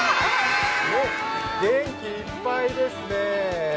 元気いっぱいですね。